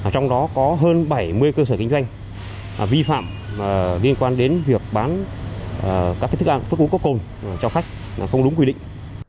trong đó có hơn bảy mươi cơ sở kinh doanh vi phạm liên quan đến việc bán các thức ăn thức uống có cồn cho khách không đúng quy định